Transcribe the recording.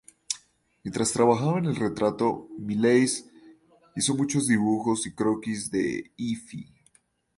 Mientras trabajaba en el retrato, Millais hizo muchos dibujos y croquis de Effie.